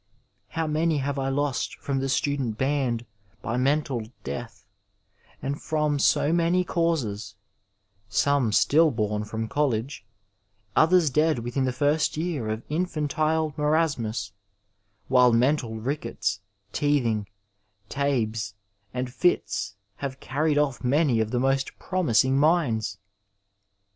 How many have I lost from the student band by mental death, and from so many causes — some stillborn from college, others dead within the first year of infantile marasmus, while mental rickets, teething, tabes, and fits have carried off many of the most promising minds